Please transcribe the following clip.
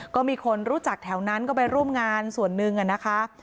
ก็มีคนรู้จักแถวนั้นก็ไปร่วมงานส่วนหนึ่งนะคะ